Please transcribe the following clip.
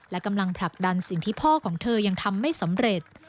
และกำลังผลักดันสิ่งที่พ่อของเธอยังทำไม่สำเร็จ